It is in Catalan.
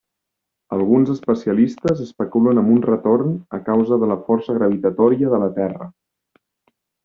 Alguns especialistes especulen amb un retorn a causa de la força gravitatòria de la Terra.